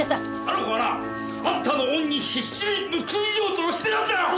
あの子はなあんたの恩に必死で報いようとしてたんだよ！